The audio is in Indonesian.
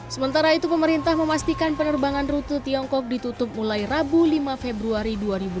sementara itu pemerintah memastikan penerbangan rute tiongkok ditutup mulai rabu lima februari dua ribu dua puluh